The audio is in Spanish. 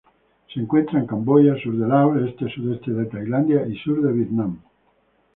Se encuentran en Camboya, sur de Laos, este-sudeste de Tailandia y sur de Vietnam.